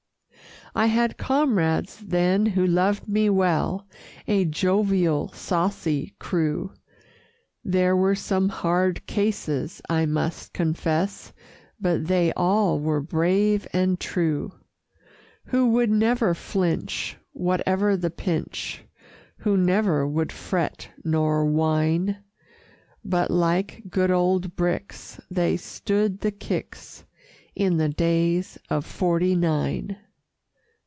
I had comrades then who loved me well, A jovial, saucy crew: There were some hard cases, I must confess, But they all were brave and true; Who would never flinch, whate'er the pinch, Who never would fret nor whine, But like good old Bricks they stood the kicks In the Days of 'Forty Nine.